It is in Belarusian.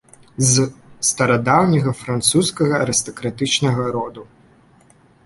З старадаўняга французскага арыстакратычнага роду.